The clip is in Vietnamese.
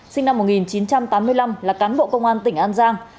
sinh năm một nghìn chín trăm tám mươi năm là cán bộ công an tỉnh an giang